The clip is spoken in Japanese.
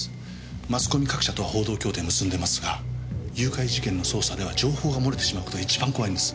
マスコミ各社とは報道協定結んでますが誘拐事件の捜査では情報が漏れてしまう事が一番怖いんです。